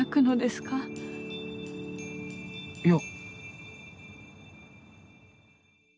いや。